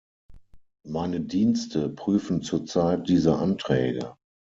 Meine Dienste prüfen zurzeit diese Anträge.